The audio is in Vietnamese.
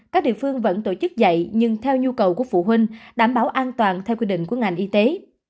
các địa phương vẫn tổ chức dạy nhưng theo nhu cầu của phụ huynh đảm bảo an toàn theo quy định của ngành y tế